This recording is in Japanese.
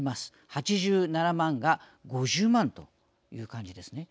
８７万が５０万という感じですね。